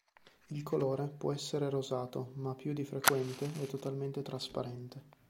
Il colore può essere rosato ma più di frequente è totalmente trasparente.